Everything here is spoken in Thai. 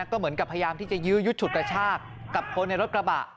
ก็เหมือนกับพยายามที่จะยื้อยุดฉุดกระชากกับคนในรถกระบะ